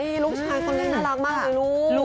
ยังไม่ถึงเป็นหนังหรือละคร